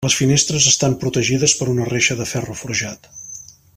Les finestres estan protegides per una reixa de ferro forjat.